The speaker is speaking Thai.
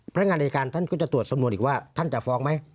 พนักงานอายการท่านก็จะตรวจสำนวนอีกว่าท่านจะฟ้องไหม